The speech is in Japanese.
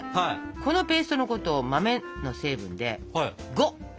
このペーストのことを豆の成分で「呉」っていいます。